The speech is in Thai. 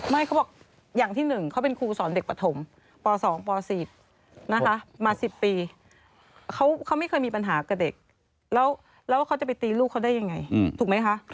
ไม่เขาบอกอย่างที่๑เขาเป็นครูสอนเด็กปฐมป๒ป๔นะคะมา๑๐ปีเขาไม่เคยมีปัญหากับเด็กแล้วเขาจะไปตีลูกเขาได้ยังไงถูกไหมคะ